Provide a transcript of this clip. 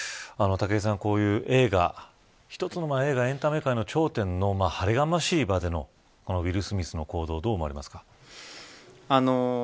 武井さん、こういう映画一つの映画、エンタメ界の頂点の晴れがましい場でのウィル・スミスの行動どう思われますか。